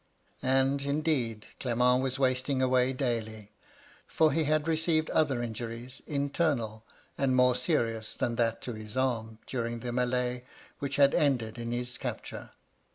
And, indeed, Qement was wasting away daily ; for he had received other injuries, internal and more serious than that to his arm, during the mil^e which had ended in his capture.